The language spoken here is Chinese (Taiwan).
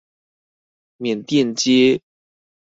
緬甸街